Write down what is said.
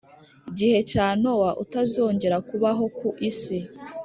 gihe cya Nowa utazongera kubaho ku isi